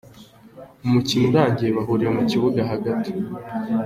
Umukino urangiye bahuriye mu kibuga hagati.